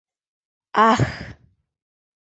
Ахх!..